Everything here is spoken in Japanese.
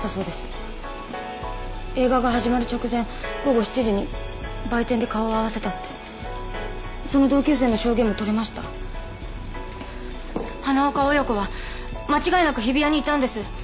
映画が始まる直前午後７時に売店で顔を合わせたってその同級生の証言も取れました花岡親子は間違いなく日比谷にいたんです